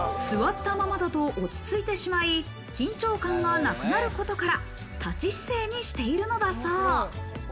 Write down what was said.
座ったままだと落ち着いてしまい、緊張感がなくなることから、立ち姿勢にしているのだそう。